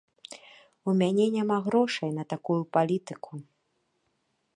У мяне няма грошай на такую палітыку.